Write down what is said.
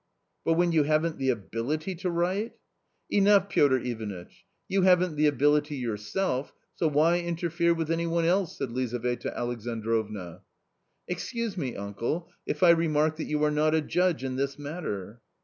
" But when you haven't the ability to write ?"" Enough, Piotr Ivanitch ; you haven't the ability your self, so why interfere with any one else?" said Lizaveta Alexandrovna. " Excuse me, uncle, if I remark that you are not a judge in this matter."